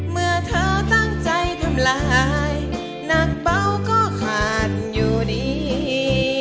เมื่อเธอตั้งใจทำลายหนักเบาก็ขาดอยู่ดี